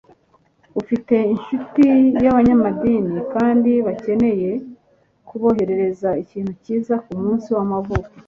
ufite inshuti y'abanyamadini kandi bakeneye kuboherereza ikintu cyiza kumunsi w'amavuko